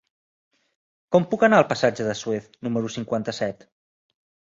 Com puc anar al passatge de Suez número cinquanta-set?